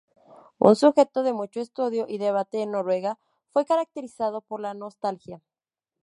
Un sujeto de mucho estudio y debate en Noruega, fue caracterizado por la nostalgia.